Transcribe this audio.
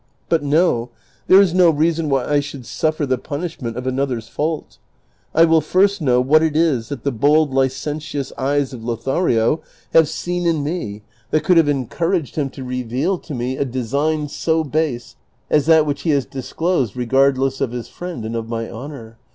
But no; there is no reason why T should suffer the punishment of another's fault. 1 will first knoV what it is tiiat the bold licentious eyes of Lothario have seen in me that could have encouraged him to CHAPTER XXXIV. 295 reveal to me a design so base as that vvliich he has disclosed regard less of his friend and of my honor.